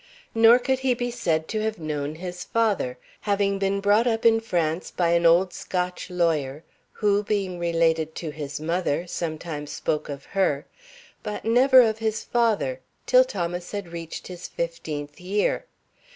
Nor could he be said to have known his father, having been brought up in France by an old Scotch lawyer, who, being related to his mother, sometimes spoke of her, but never of his father, till Thomas had reached his fifteenth year.